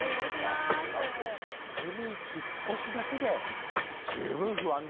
だって普通に引っ越しだけで十分不安ですよ。